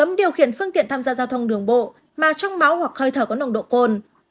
cấm điều khiển phương tiện tham gia giao thông đường bộ mà trong máu hoặc hơi thở có nồng độ cồn